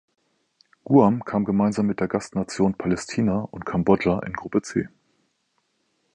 Guam kam gemeinsam mit den Gastnationen Palästina und Kambodscha in Gruppe C.